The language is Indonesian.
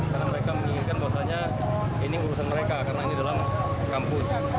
karena mereka menginginkan bahwasannya ini urusan mereka karena ini dalam kampus